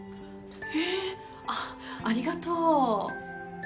へえあっありがとう。